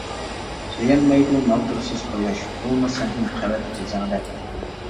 سۆيەلمەيدۇ ماغدۇرسىز قۇياش، ئۇمۇ سەندىن قەۋەت خىجالەت.